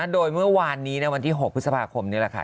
โดยเมื่อวานนี้ในวันที่๖พฤษภาคมนี่แหละค่ะ